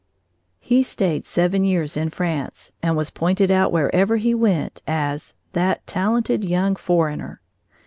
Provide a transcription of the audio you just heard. He stayed seven years in France and was pointed out wherever he went as "that talented young foreigner."